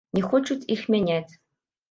Не хочуць іх мяняць?